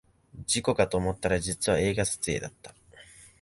事故かと思ったら実は映画撮影だった